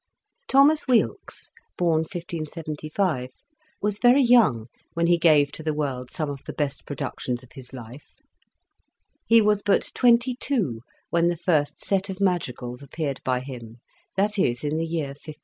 Thomas Weelkes, 1575 ? was very young when he gave to the world some of the best productions of his life. He was but twenty two when the first '' Set of Madrigals " ap peared by him, that is, in the year 1597.